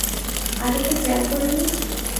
আগে তো খেয়াল করিনি।